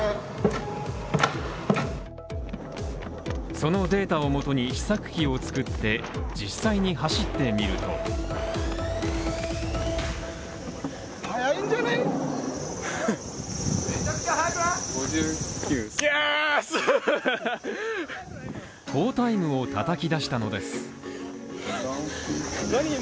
そのデータをもとに試作品を作って実際に走ってみると好タイムを叩き出したのです。